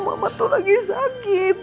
mama tuh lagi sakit